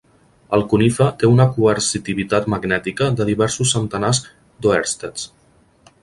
El cunife té una coercitivitat magnètica de diversos centenars d'oersteds.